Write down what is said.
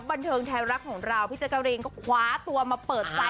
บันเทิงไทยรัฐของเราพี่แจ๊กกะรีนก็คว้าตัวมาเปิดใจ